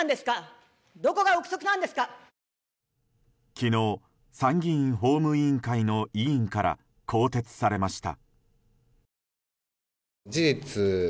昨日、参議院法務委員会の委員から更迭されました。